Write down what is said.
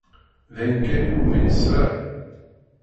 D ayen kan iwumi nesra?